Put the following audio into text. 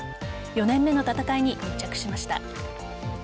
４年目の戦いに密着しました。